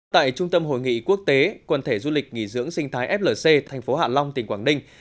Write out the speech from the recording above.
tại trung tâm hội nghị quốc tế quần thể du lịch nghỉ dưỡng sinh thái flc thành phố hạ long tỉnh quảng ninh